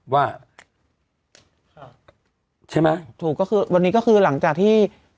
ว่าค่ะใช่ไหมถูกก็คือวันนี้ก็คือหลังจากที่